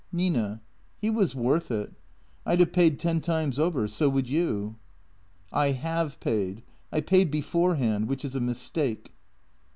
Nina — he was worth it. I 'd have paid ten times over. So would you." " I have paid. I paid beforehand. Which is a mistake."